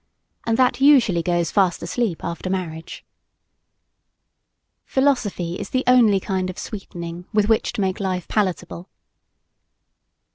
and that usually goes fast asleep, after marriage. Philosophy is the only kind of "sweetening" with which to make life palatable.